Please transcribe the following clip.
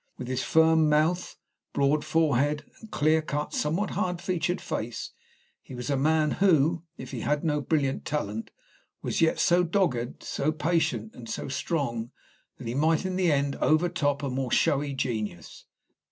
With his firm mouth, broad forehead, and clear cut, somewhat hard featured face, he was a man who, if he had no brilliant talent, was yet so dogged, so patient, and so strong that he might in the end overtop a more showy genius.